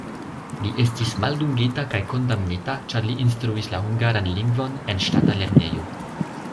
Li estis maldungita kaj kondamnita, ĉar li instruis la hungaran lingvon en ŝtata lernejo.